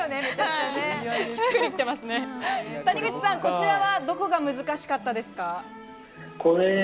谷口さん、こちらはどこが難しかったですか？